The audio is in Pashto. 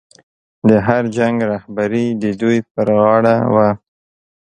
د هر جنګ رهبري د دوی پر غاړه وه.